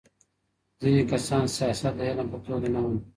ځینې کسان سیاست د علم په توګه نه مني.